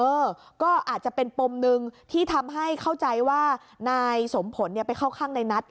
เออก็อาจจะเป็นปมหนึ่งที่ทำให้เข้าใจว่านายสมผลไปเข้าข้างในนัท